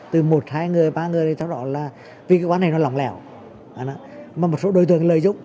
từ một hai người ba người để cho rõ là vì cái quan hệ nó lỏng lẻo mà một số đối tượng lợi dụng